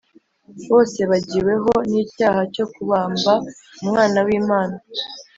bose bagiweho n’icyaha cyo kubamba umwana w’imana